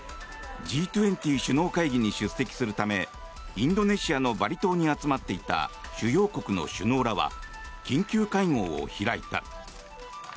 Ｇ２０首脳会議に出席するためインドネシアのバリ島に集まっていた主要国の首脳らは緊急会合を開いた。